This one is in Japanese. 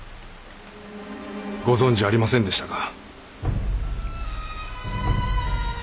ご存じありませんでしたか？